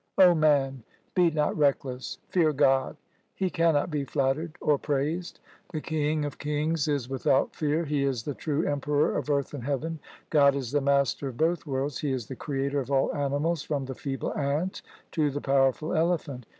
O man, be not reckless, fear God, He can not be flattered or praised. The King of kings is without fear. He is the true Emperor of earth and heaven. God is the master of both worlds. He is the Creator of all animals from the feeble ant to the powerful elephant.